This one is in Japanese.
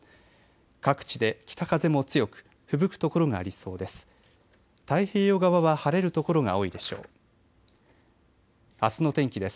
各地で北風も強くふぶく所がありそうです。